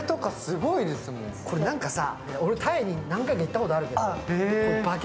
これ、何かさ、俺、タイに何回か行ったことあるんだけど。